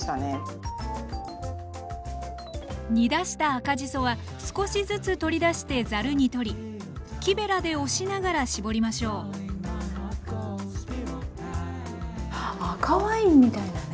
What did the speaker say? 煮出した赤じそは少しずつ取り出してざるに取り木べらで押しながら絞りましょう赤ワインみたいなね。